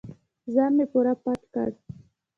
ځان مې پوره پټ کړ.